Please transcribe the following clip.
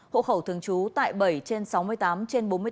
hộ khẩu thường trú tại bảy trên sáu mươi tám trên bốn mươi bốn